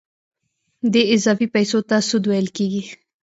دې اضافي پیسو ته سود ویل کېږي